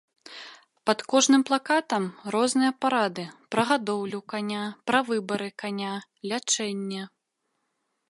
Пад кожным плакатам розныя парады пра гадоўлю каня, пра выбары каня, лячэнне.